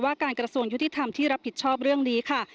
การกระทรวงยุติธรรมที่รับผิดชอบเรื่องนี้ค่ะ